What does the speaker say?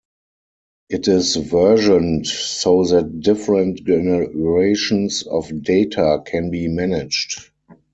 It is versioned so that different generations of data can be managed.